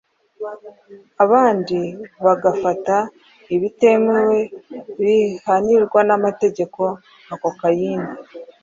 abandi bagafata ibitemewe bihanirwa n’amategeko nka kokayine,